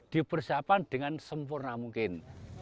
dipersiapkan dengan sempurna mungkin